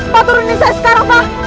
pak turungi saya sekarang pak